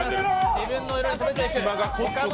自分の色に染めていく。